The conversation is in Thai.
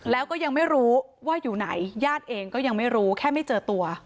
แล้วก็ยังไม่รู้ว่าอยู่ไหนญาติเองก็ยังไม่รู้แค่ไม่เจอตัว